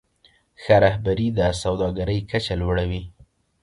ښه رهبري د سوداګرۍ کچه لوړوي.